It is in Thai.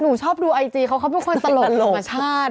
หนูชอบดูไอจีเขาเขาเป็นคนตลกของชาติ